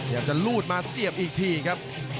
จะรูดมาเสียบอีกทีครับ